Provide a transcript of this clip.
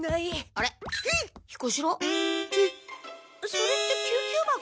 それって救急箱？